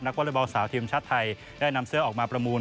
วอเล็กบอลสาวทีมชาติไทยได้นำเสื้อออกมาประมูล